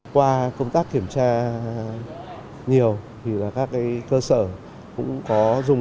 qua công tác kiểm tra nhiều các cơ sở cũng có dùng các nội dung